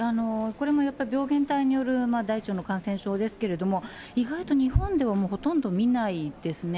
これもやっぱり病原体による大腸の感染症ですけれども、意外と日本では、もうほとんど見ないですね。